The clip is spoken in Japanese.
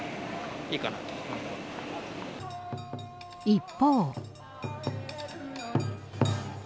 一方。